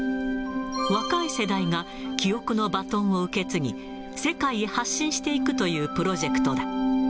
若い世代が記憶のバトンを受け継ぎ、世界へ発信していくというプロジェクトだ。